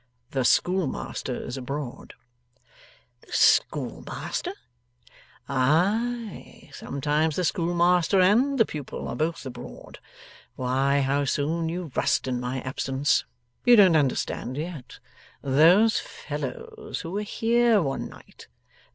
The schoolmaster's abroad.' 'The schoolmaster?' 'Ay! Sometimes the schoolmaster and the pupil are both abroad. Why, how soon you rust in my absence! You don't understand yet? Those fellows who were here one night.